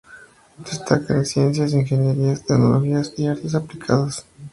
Destaca en Ciencias, Ingenierías, Tecnologías y Artes aplicadas.